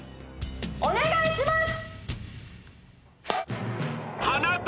お願いします！